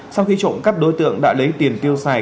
sau khi trộm cắp đối tượng đã lấy tiền tiêu xài